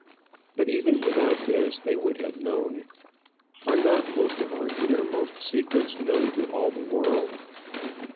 But even without this they would have known. Are not most of our innermost secrets known to all the world?